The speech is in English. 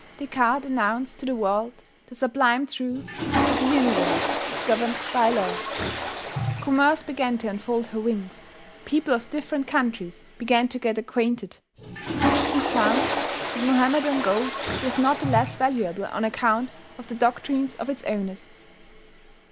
Descartes announced to the world the sublime truth that the Universe is governed by law. Commerce began to unfold her wings. People of different countries began to get acquainted. Christians found that Mohammedan gold was not the less valuable on account of the doctrines of its owners.